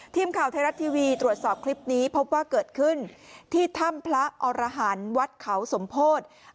ทีมข่าวไทยรัฐทีวีตรวจสอบคลิปนี้พบว่าเกิดขึ้นที่ถ้ำพระอรหันต์วัดเขาสมโพธิ